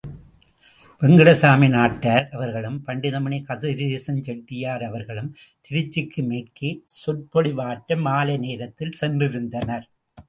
வேங்கடசாமி நாட்டார் அவர்களும், பண்டித மணி கதிரேசஞ் செட்டியார் அவர்களும், திருச்சிக்கு மேற்கே, சொற்பொழிவாற்ற மாலை நேரத்தில் சென்றிருந்தனர்.